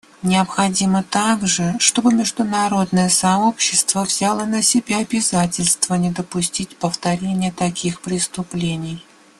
Необходимо также, чтобы международное сообщество взяло на себя обязательство не допустить повторения таких преступлений.